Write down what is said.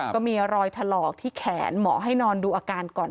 ก็มีรอยถลอกที่แขนหมอให้นอนดูอาการก่อน